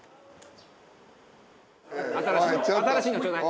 新しいの新しいのちょうだい！